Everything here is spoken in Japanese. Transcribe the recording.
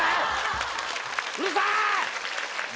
うるさい！